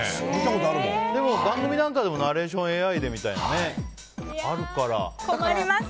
番組なんかでもナレーションＡＩでみたいなのあるから。